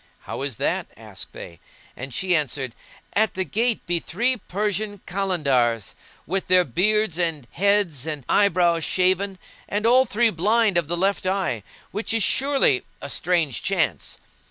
"How is that?" asked they; and she answered, "At the gate be three Persian Kalandars[FN#167] with their beards and heads and eyebrows shaven; and all three blind of the left eye—which is surely a strange chance.